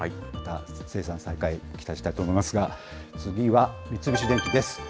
生産再開、期待したいと思いますが、次は三菱電機です。